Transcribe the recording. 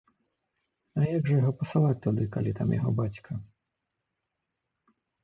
А як жа яго пасылаць туды, калі там яго бацька.